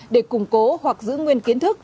để củng cố hoặc giữ nguyên kiến thức